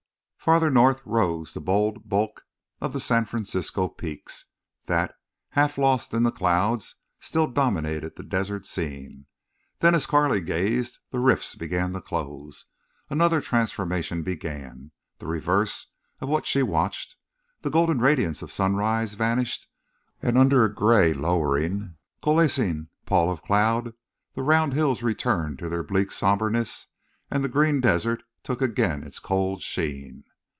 Farther north rose the bold bulk of the San Francisco Peaks, that, half lost in the clouds, still dominated the desert scene. Then as Carley gazed the rifts began to close. Another transformation began, the reverse of what she watched. The golden radiance of sunrise vanished, and under a gray, lowering, coalescing pall of cloud the round hills returned to their bleak somberness, and the green desert took again its cold sheen.